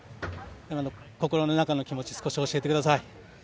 心の中の気持ち少し教えてください。